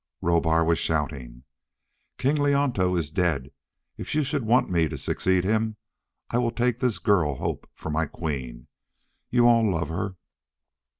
Rohbar was shouting, "King Leonto is dead. If you should want me to succeed him, I will take this girl Hope for my queen. You all love her...."